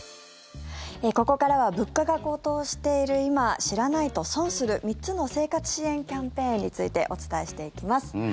ここからは物価が高騰している今知らないと損する、３つの生活支援キャンペーンについてお伝えしていきます。